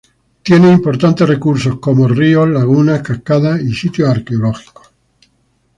Tiene importantes recursos como: ríos, lagunas, cascadas y sitios arqueológicos.